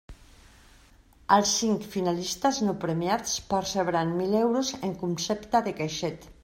Els cinc finalistes no premiats percebran mil euros en concepte de caixet.